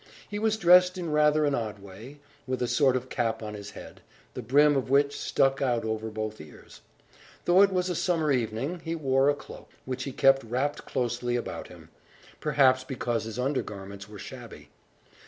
He was dressed in rather an odd way, with a sort of cap on his head, the brim of which stuck out over both ears. Though it was a summer evening, he wore a cloak, which he kept wrapt closely about him, perhaps because his undergarments were shabby.